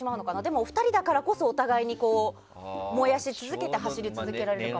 お二人だからこそお互いに燃やし続けて走り続けられるのかも。